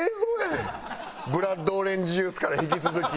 ブラッドオレンジジュースから引き続き。